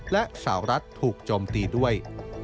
และสาวรัฐถูกโจมตีด้วย